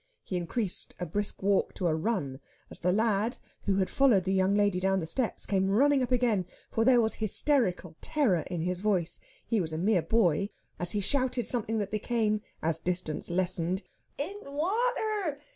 He increased a brisk walk to a run as the lad, who had followed the young lady down the steps, came running up again; for there was hysterical terror in his voice he was a mere boy as he shouted something that became, as distance lessened, "In t' wa ater!